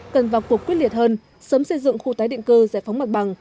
cần vào cuộc quyết liệt hơn sớm xây dựng khu tái định cư giải phóng mặt bằng